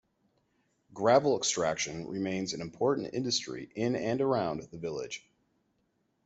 Gravel extraction remains an important industry in and around the village.